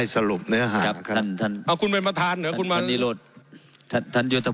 มาสักครู่ผมผิดข้อไหนครับมาสักครู่ผมผิดข้อไหนครับมาสักครู่ครับ